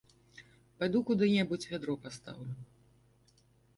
Пайду куды-небудзь вядро пастаўлю.